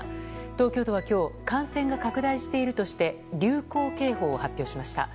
東京都は今日感染が拡大しているとして流行警報を発表しました。